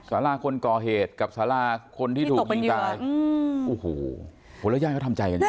ศาลาคนก่อเหตุกับศาลาคนที่ถูกยิงตายที่ตกเป็นเหยื่ออืมโหแล้วย่างเขาทำใจกันไง